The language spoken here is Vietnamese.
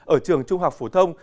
ở trường trung học phổ thông